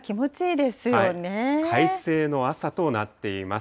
快晴の朝となっています。